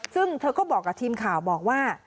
ซึ่งเธอก็บอกกับทีมข่าวบอกว่า